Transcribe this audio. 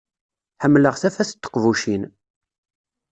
Ḥemmleɣ tafat n teqbucin.